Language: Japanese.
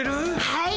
はい。